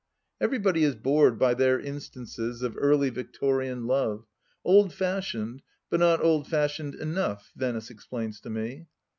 Everybody is bored by their instances of Early Victorian love — old fashioned, but not old fashioned enough, Venice explains to me.